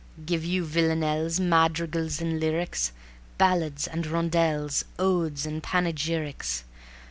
_ "Give you villanelles, Madrigals and lyrics; Ballades and rondels, Odes and panegyrics.